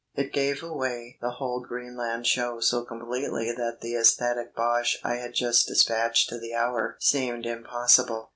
It gave away the whole Greenland show so completely that the ecstatic bosh I had just despatched to the Hour seemed impossible.